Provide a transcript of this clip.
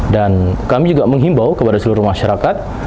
kami juga menghimbau kepada seluruh masyarakat